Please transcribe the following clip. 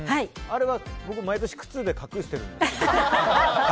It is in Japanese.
あれは僕、毎年靴で隠しているんですけど。